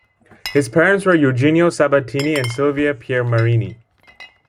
His parents were Eugenio Sabbatini and Silvia Piermarini.